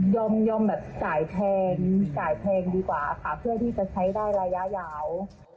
ยอมส่ายแพงดีกว่าเพื่อที่จะใช้ได้ระยะยาว